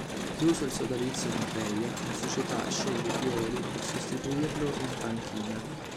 Chiuso il sodalizio con Reja, la società sceglie Pioli per sostituirlo in panchina.